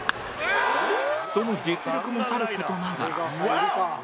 その実力もさる事ながら